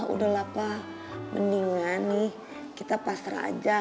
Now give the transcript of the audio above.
udah lah pak mendingan nih kita pasrah aja